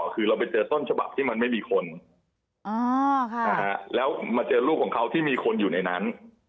คือเราไปเจอต้นฉบับที่มันไม่มีคนแล้วมาเจอลูกของเขาที่มีคนอยู่ในนั้น